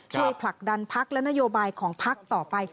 ช่วยผลักดันพักษ์และนโยบายของพักษ์ต่อไป